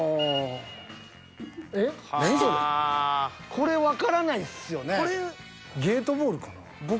これわからないっすよね？